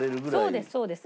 そうですそうです。